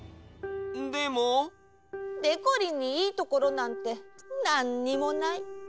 でも？でこりんにいいところなんてなんにもない。